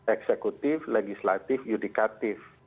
eksekutif legislatif yudikatif